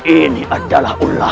ini adalah ular